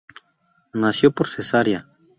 Nació por cesárea.